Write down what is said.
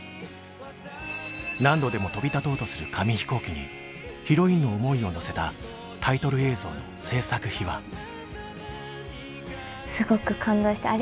何度でも飛び立とうとする紙飛行機にヒロインの思いを乗せたすごく感動してあれ